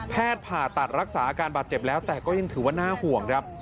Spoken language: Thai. ผ่าตัดรักษาอาการบาดเจ็บแล้วแต่ก็ยังถือว่าน่าห่วงครับ